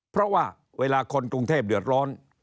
เพราะว่าเวลาคนกรุงเทพเดือดร้อน